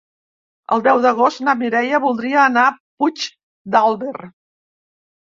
El deu d'agost na Mireia voldria anar a Puigdàlber.